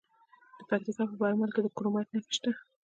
د پکتیکا په برمل کې د کرومایټ نښې شته.